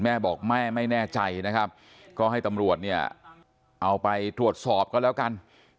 แม่บอกแม่ไม่แน่ใจนะครับก็ให้ตำรวจเนี่ยเอาไปตรวจสอบก็แล้วกัน